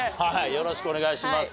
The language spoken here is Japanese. よろしくお願いします。